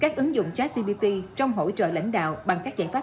các ứng dụng trashcbt trong hỗ trợ lãnh đạo bằng các giải pháp